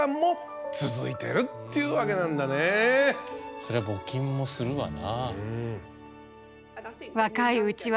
そりゃ募金もするわな。